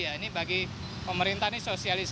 ini bagi pemerintah ini sosialisasi